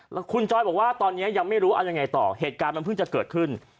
แล้วคุณจอยบอกว่าตอนนี้ยังไม่รู้เอายังไงต่อเหตุการณ์มันเพิ่งจะเกิดขึ้น